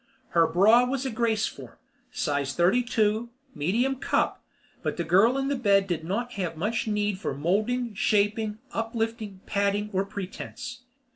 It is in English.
Her bra was a Graceform, size thirty two, medium cup, but the girl on the bed did not have much need for molding, shaping, uplifting, padding or pretense.